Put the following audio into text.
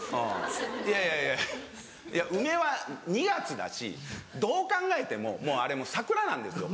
いやいやいや梅は２月だしどう考えてももうあれもう桜なんですよ。